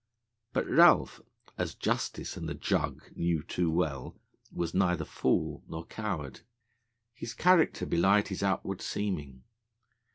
But Ralph, as justice and the Jug knew too well, was neither fool nor coward. His character belied his outward seeming.